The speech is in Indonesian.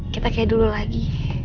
kita kayak dulu lagi